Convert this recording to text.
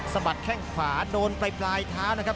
บัดแข้งขวาโดนไปปลายเท้านะครับ